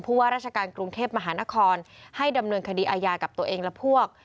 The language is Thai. ว่าราชการกรุงเทพมหานครให้ดำเนินคดีอาญากับตัวเองและพวก